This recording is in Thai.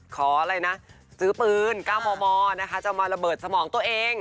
อะไรนะซื้อปืน๙มมนะคะจะมาระเบิดสมองตัวเอง